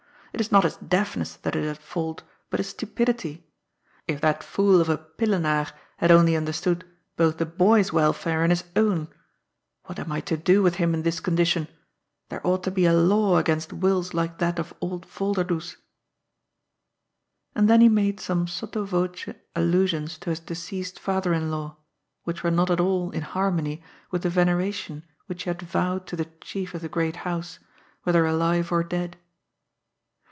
^^ It is not his deafness that is at fault, but his stupidity. If that fool of a Pillenaar had only understood both the boy's welfare and his own ! What am I to do with him in this condition ? There ought to be a law against wills like that of old Volderdoes." And then he made some sotto voce allusions to his deceased father in law, which were not at all in harmony with the yeneration which he had yowed to the chief of the great house, whether aliye or dead.